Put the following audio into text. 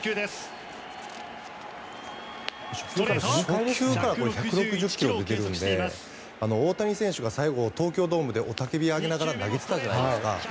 初球から１６０ｋｍが出てるんで大谷選手が最後、東京ドームで雄たけびを上げながら投げてたじゃないですか。